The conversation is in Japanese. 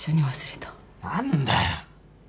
何だよ！